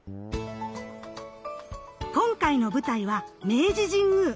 今回の舞台は明治神宮。